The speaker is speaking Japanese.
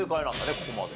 ここまで。